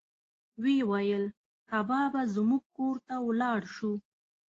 ویې ویل سبا به زموږ کور ته ولاړ شو.